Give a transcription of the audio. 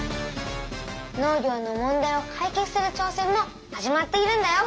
農業の問題をかい決する挑戦も始まっているんだよ。